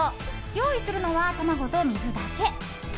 用意するのは卵と水だけ。